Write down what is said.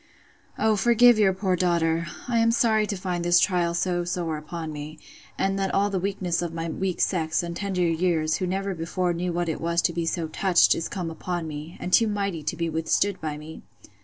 O forgive your poor daughter!—I am sorry to find this trial so sore upon me; and that all the weakness of my weak sex, and tender years, who never before knew what it was to be so touched, is come upon me, and too mighty to be withstood by me.